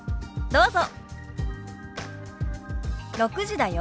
どうぞ。